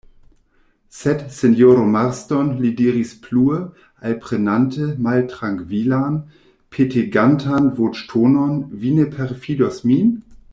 Sed, sinjoro Marston, li diris plue, alprenante maltrankvilan, petegantan voĉtonon, vi ne perfidos min?